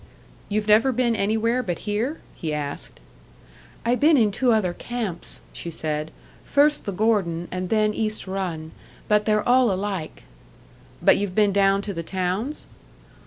"You've never been anywhere but here?" he asked. "I been in two other camps," she said "first the Gordon, and then East Run. But they're all alike." "But you've been down to the towns?"